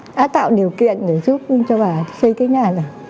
đã tạo điều kiện để giúp cho bà xây cái nhà này